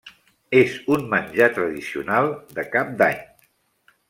És un menjar tradicional de cap d'any.